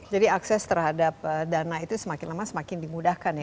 jadi akses terhadap dana itu semakin lama semakin dimudahkan ya